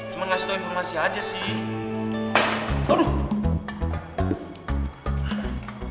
cuma ngasih tahu informasi aja sih